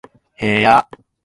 部屋